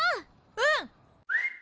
うん！